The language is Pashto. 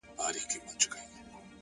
ته دي ټپه په اله زار پيل کړه’